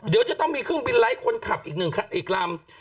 เดี๋ยวจะต้องมีเครื่องบินไลค์คนขับอีก๑อีกลำ